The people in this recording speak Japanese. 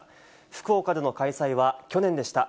福岡での開催は去年でした。